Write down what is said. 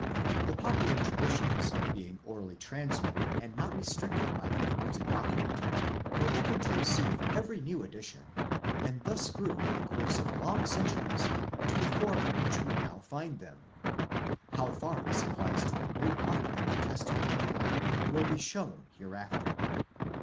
The popular traditions, being orally transmitted and not restricted by any written document, were open to receive every new addition, and thus grew in the course of long centuries to the form in which we now find them. (How far this applies to a great part of the New Testa ment mythi, will be shown hereafter.)